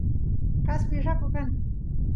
kaspi raku kan